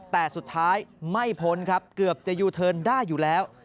แต่สุดท้ายไม่พ้นครับเกือบจะยูเทิร์นได้อยู่แล้ว